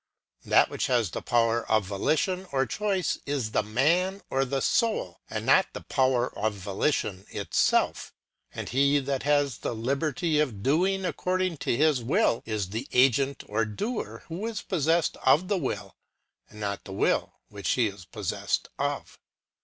That which has the power of volition or choice, is the man or the soul, and not the power of volition itself. And he that has the liberty of doing according to his will, is the agent or doer who is possessed of the will, and not the will which he is possessed of.